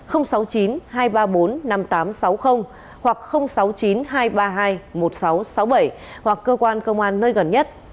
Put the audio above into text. sáu mươi chín hai trăm ba mươi bốn năm nghìn tám trăm sáu mươi hoặc sáu mươi chín hai trăm ba mươi hai một nghìn sáu trăm sáu mươi bảy hoặc cơ quan công an nơi gần nhất